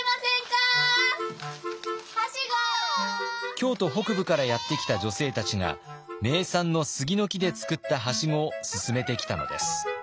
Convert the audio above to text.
京都北部からやって来た女性たちが名産の杉の木で作ったはしごをすすめてきたのです。